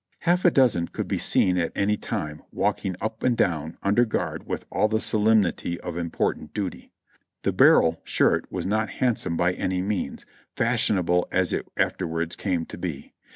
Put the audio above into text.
Half a dozen could be seen at any time walking up and down under guard w'ith all the solemnity of important duty. The barrel shirt was not hand some by any means, fashionable as it afterwards came to be.